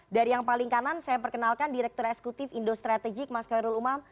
dari yang paling kanan saya perkenalkan direktur eksekutif indo strategik mas khairul umam